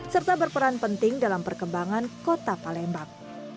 serta berperan penting dalam perkembangan kota palembang